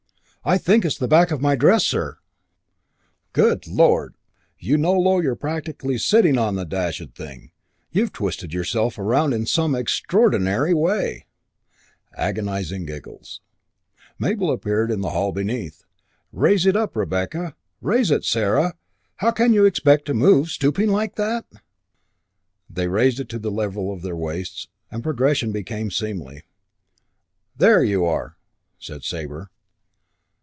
"I think it's the back of my dress, sir," said High Jinks. "Good lord!" (Convulsive giggles.) "You know, Low, you're practically sitting on the dashed thing. You've twisted yourself round in some extraordinary way " Agonising giggles. Mabel appeared in the hail beneath. "Raise it up, Rebecca. Raise it, Sarah. How can you expect to move, stooping like that?" They raised it to the level of their waists, and progression became seemly. "There you are!" said Sabre.